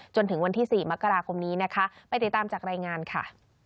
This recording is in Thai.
จนถึงวันที่๔มกราคมนี้นะคะไปติดตามจากรายงานค่ะ